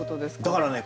だからね